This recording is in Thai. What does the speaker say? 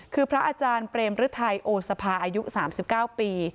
คือพระอาจารย์เปรมฤทัยโอสภาอายุ๓๙ปี